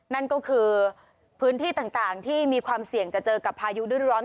นั่นก็คือพื้นที่ต่างที่มีความเสี่ยงจะเจอกับพายุฤดูร้อน